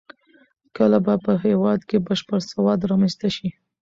کله به په هېواد کې بشپړ سواد رامنځته شي؟